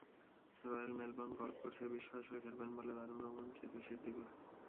Royal Melbourne golf কোর্সের বিশ্ব আসরে খেলবেন বলে দারুণ রোমাঞ্চিত সিদ্দিকুর।